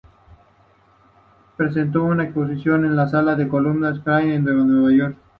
Presentó una exposición en las salas del Columbus Circle de Nueva York.